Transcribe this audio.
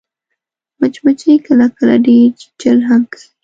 مچمچۍ کله کله ډېر چیچل هم کوي